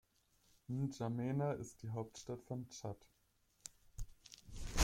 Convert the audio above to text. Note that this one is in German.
N’Djamena ist die Hauptstadt von Tschad.